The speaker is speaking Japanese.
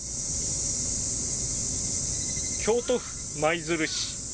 京都府舞鶴市。